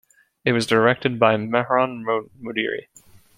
It was directed by Mehran Modiri.